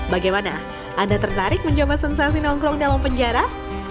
bagaimana anda tertarik mencoba sensasi nongkrong dalam penjara